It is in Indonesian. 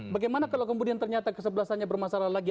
bagaimana kalau kemudian ternyata kesebelasannya bermasalah lagi